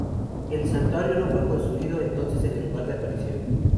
El santuario fue construido entonces en el lugar de la aparición.